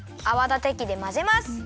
あわだてきでまぜます。